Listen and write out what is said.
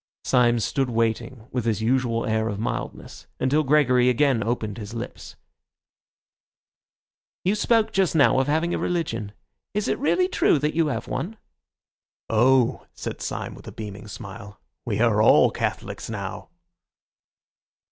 Syme stood waiting with his usual air of mildness until Gregory again opened his lips. "You spoke just now of having a religion. Is it really true that you have one?" "Oh," said Syme with a beaming smile, "we are all Catholics now."